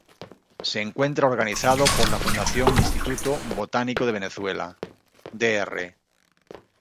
Se encuentra organizado por la Fundación Instituto Botánico de Venezuela “Dr.